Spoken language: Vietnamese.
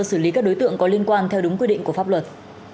xử lý các đối tượng có liên quan theo đúng quy định của pháp luật